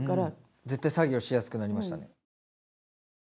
ずっと作業しやすくなりましたね。